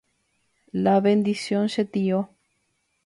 La bendición che tio.